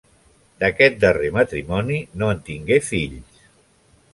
D'aquest darrer matrimoni no en tingué fills.